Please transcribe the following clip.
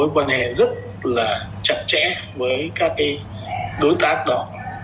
mối quan hệ rất là chặt chẽ với các cái đối tác đó